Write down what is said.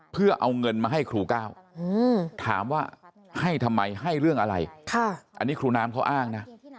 เพื่อเอาเงินมาให้ครูก้าวถามว่าให้ทำไมให้เรื่องอะไรอันนี้ครูน้ำเขาอ้างนะ